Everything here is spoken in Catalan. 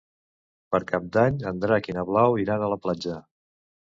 Per Cap d'Any en Drac i na Blau iran a la platja.